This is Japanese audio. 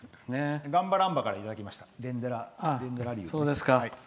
「がんばらんば」からいただきました。